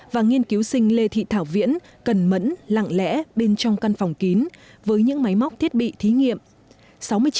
và nghiên cứu sinh lê thị thảo viễn cẩn mẫn lặng lẽ bên trong căn phòng kín với những máy móc thiết bị thí nghiệm